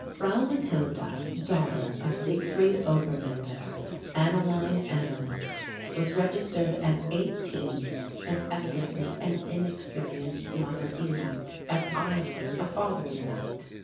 Frau Matilda, daughter of Siegfried Oberwinder, Analine Analyst, was registered as eighteen and evidently an inexperienced mother elect as I was a father elect.